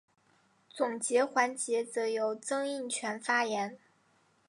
总结环节则由曾荫权先发言。